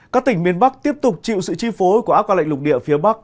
các tỉnh miền bắc tiếp tục chịu sự chi phối của ác qua lệnh lục địa phía bắc